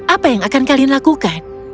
apa yang akan kalian lakukan